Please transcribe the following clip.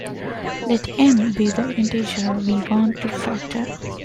Let "n" be the integer we want to factor.